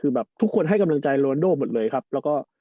คือแบบทุกคนให้กำลังใจโรนโดหมดเลยครับแล้วก็